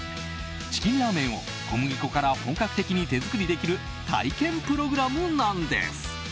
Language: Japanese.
チキンラーメンを小麦粉から本格的に手作りできる体験プログラムなんです。